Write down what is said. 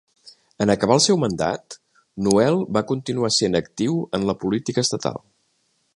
En acabar el seu mandat, Noel va continuar sent actiu en la política estatal.